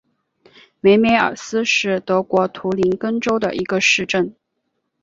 梅梅尔斯是德国图林根州的一个市镇。